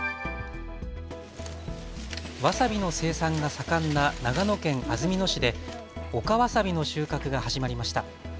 わさびの生産が盛んな長野県安曇野市で陸わさびの収穫が始まりました。